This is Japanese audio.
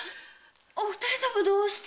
お二人ともどうして？